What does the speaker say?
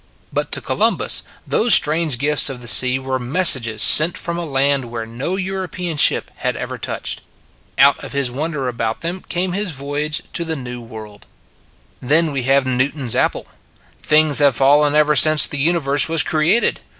But to Columbus those strange gifts of the sea were messages sent from a land where no European ship had ever touched. Out of his wonder about them came his voyage to the New World. 14 It s a Good Old World Then we have Newton s apple. Things have fallen ever since the universe was created.